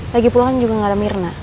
lagi puluhan juga gak ada mirna